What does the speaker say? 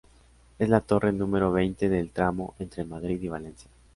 Es la torre número veinte del tramo entre Madrid y Valencia.